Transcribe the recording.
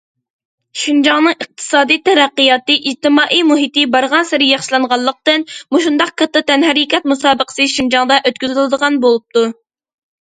شىنجاڭنىڭ ئىقتىسادىي تەرەققىياتى، ئىجتىمائىي مۇھىتى بارغانسېرى ياخشىلانغانلىقتىن، مۇشۇنداق كاتتا تەنھەرىكەت مۇسابىقىسى شىنجاڭدا ئۆتكۈزۈلىدىغان بولۇپتۇ.